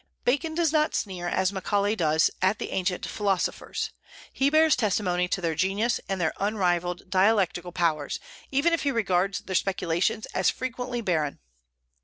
Bacon does not sneer as Macaulay does at the ancient philosophers; he bears testimony to their genius and their unrivalled dialectical powers, even if he regards their speculations as frequently barren.